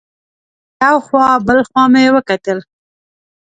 یو خوا بل خوا مې وکتل.